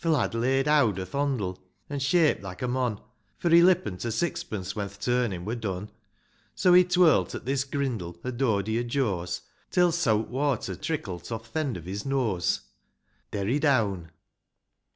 Th' lad laid howd o'th hondle, an' shap't like a mon ; For he lippen't o' sixpence, when th' turning wur done ; So, he twirl't at this grindle o' Dody o' Joe's, Till saut water trickl't off th' end of his nose. Derry down.